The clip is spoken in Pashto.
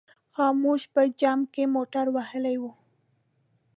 خاموش په جمپ کې موټر وهلی و.